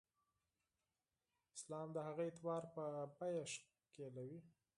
اسلام د هغه اعتبار په بیه ښکېلوي.